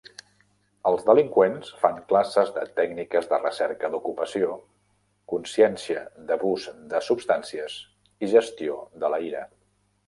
Els delinqüents fan classes de tècniques de recerca d'ocupació, consciència d'abús de substàncies i gestió de la ira.